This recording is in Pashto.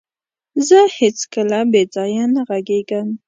زه هيڅکله بيځايه نه غږيږم.